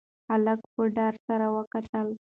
هلک په ډار سره وکتل.